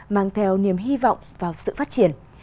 mang theo niềm hy vọng vào sự phát triển